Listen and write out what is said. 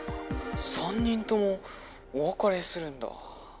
３人ともおわかれするんだ。